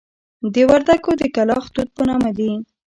د وردکو د کلاخ توت په نامه دي.